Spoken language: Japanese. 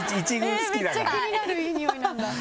めっちゃ気になるいいにおいなんだ。